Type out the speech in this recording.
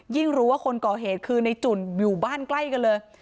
รู้ว่าคนก่อเหตุคือในจุ่นอยู่บ้านใกล้กันเลย